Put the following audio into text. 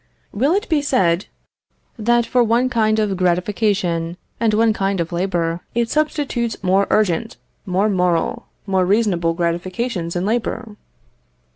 Will it be said that for one kind of gratification, and one kind of labour, it substitutes more urgent, more moral, more reasonable gratifications and labour?